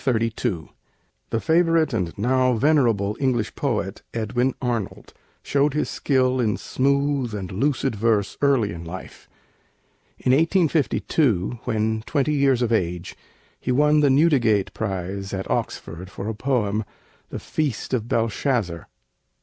EDWIN ARNOLD (1832 ) The favorite and now venerable English poet, Edwin Arnold, showed his skill in smooth and lucid verse early in life. In 1852, when twenty years of age, he won the Newdigate Prize at Oxford for a poem, 'The Feast of Belshazzar.'